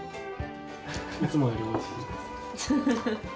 いつもよりおいしいです。